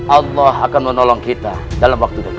allah akan menolong kita dalam waktu dekat